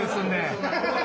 ハハハハハ！